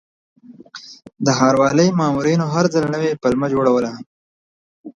د ښاروالۍ مامورینو هر ځل نوې پلمه جوړوله.